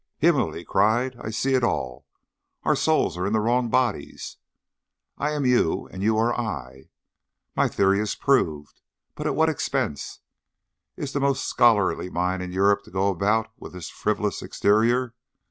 "Himmel!" he cried, "I see it all. Our souls are in the wrong bodies. I am you and you are I. My theory is proved but at what an expense! Is the most scholarly mind in Europe to go about with this frivolous exterior?